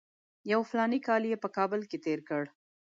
یو فلاني کال یې په کابل کې تېر کړ.